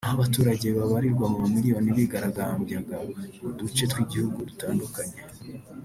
aho abaturage babarirwa mu mamiliyoni bigaragambyaga mu duce tw’igihugu dutandukanye